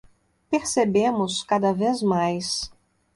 Percebemos, cada vez mais